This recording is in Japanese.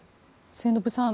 末延さん